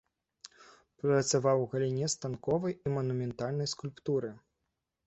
Працаваў у галіне станковай і манументальнай скульптуры.